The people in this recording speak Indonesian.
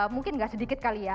mungkin nggak sedikit kali ya